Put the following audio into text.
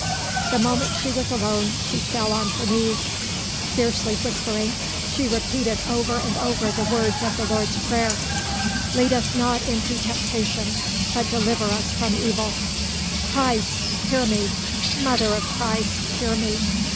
The moment she was alone, she fell on her knees. Fiercely whispering, she repeated over and over again the words of the Lord's Prayer: "'Lead us not into temptation, but deliver us from evil.' Christ, hear me! Mother of Christ, hear me!